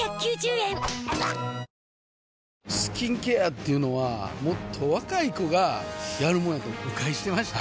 スキンケアっていうのはもっと若い子がやるもんやと誤解してました